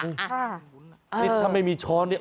นี่ถ้าไม่มีช้อนเนี่ย